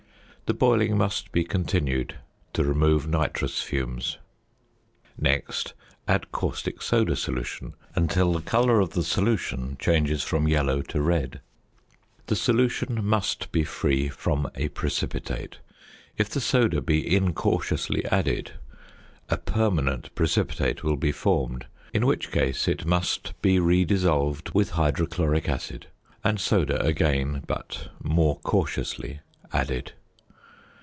The boiling must be continued to remove nitrous fumes. Next add caustic soda solution until the colour of the solution changes from yellow to red. The solution must be free from a precipitate; if the soda be incautiously added a permanent precipitate will be formed, in which case it must be redissolved with hydrochloric acid, and soda again, but more cautiously, added.